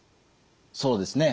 そうですね。